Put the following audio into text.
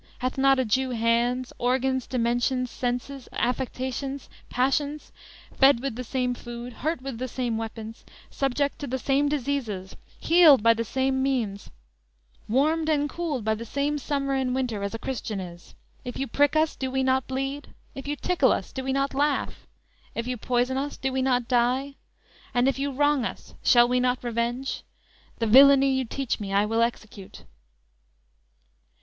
Hath not a Jew hands; Organs, dimensions, senses, affections, passions? Fed with the same food, hurt with the same weapons, Subject to the same diseases, healed by the same means, Warmed and cooled by the same summer and winter, As a Christian is? If you prick us, do we not bleed? If you tickle us do we not laugh? if you poison us Do we not die? and if you wrong us shall we not revenge? The villainy you teach me, I will execute!"